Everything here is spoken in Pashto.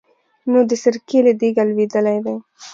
نو د سرکې له دېګه لوېدلی دی.